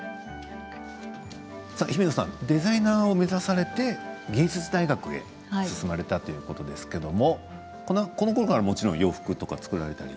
デザイナーを目指されて芸術大学へ進まれたということですけどこのころからもちろん洋服とか作られたり？